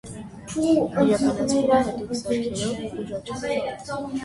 Իրականացվում է հատուկ սարքերով (ուժաչափ)։